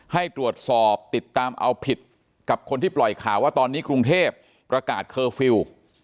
ให้ตรวจสอบติดตามเอาผิดกับคนที่ปล่อยข่าวว่าตอนนี้กรุงเทพประกาศเคอร์ฟิลล์